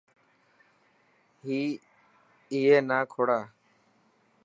هي اي نا کوڙا.